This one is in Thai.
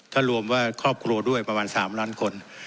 ถ้ารวมว่าครอบครัวด้วยประมาณ๓ล้านคน